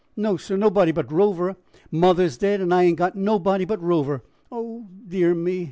"No, sir; nobody but Rover. Mother's dead and I ain't got nobody but Rover. Oh, dear me!"